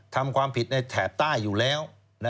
ทำความผิดในแถบใต้อยู่แล้ว